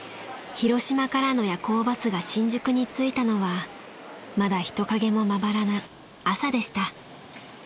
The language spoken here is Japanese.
［広島からの夜行バスが新宿に着いたのはまだ人影もまばらな朝でした］